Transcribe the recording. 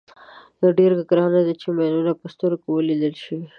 ډېره ګرانه ده چې ماینونه په سترګو ولیدل شي.